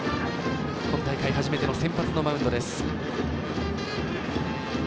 今大会初めての先発のマウンド。